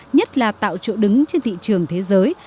nhất là tạo chỗ đứng trên thị trường thế giới